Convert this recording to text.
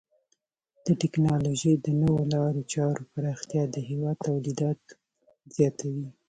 د ټکنالوژۍ د نوو لارو چارو پراختیا د هیواد تولیداتو زیاتوي.